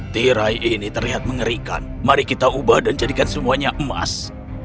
tirai ini terlihat mengerikan mari kita ubah dan jadikan semuanya emas